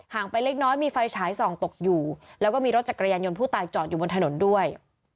ไปเล็กน้อยมีไฟฉายส่องตกอยู่แล้วก็มีรถจักรยานยนต์ผู้ตายจอดอยู่บนถนนด้วย